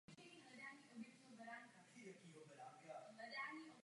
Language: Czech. Obcí prochází hlavní železniční koridor Žilina–Košice.